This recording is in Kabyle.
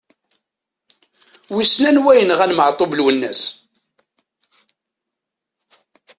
Wissen anwa yenɣan Maɛtub Lwennas?